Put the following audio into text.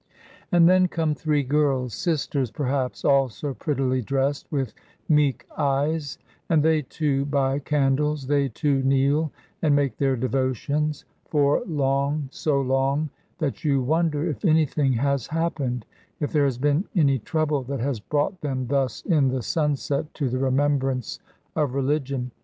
And then come three girls, sisters, perhaps, all so prettily dressed, with meek eyes, and they, too, buy candles; they, too, kneel and make their devotions, for long, so long, that you wonder if anything has happened, if there has been any trouble that has brought them thus in the sunset to the remembrance of religion.